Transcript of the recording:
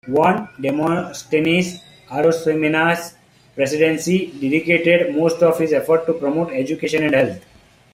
Juan Demostenes Arosemena's Presidency dedicated most of his efforts to promote education and health.